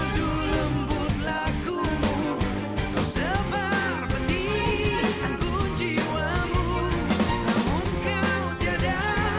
kita hadapin sama sama